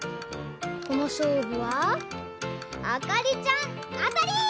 このしょうぶはあかりちゃんあたり！